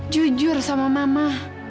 jujur sama mama